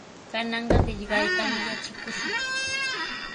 Kananqa qillqaytami yatrakushun.